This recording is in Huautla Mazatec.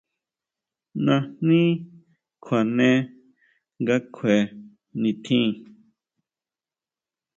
Najní kjuane nga kjue nitjín.